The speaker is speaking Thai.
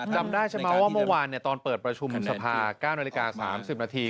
จำได้ใช่ไหมว่าเมื่อวานตอนเปิดประชุมสภา๙นาฬิกา๓๐นาที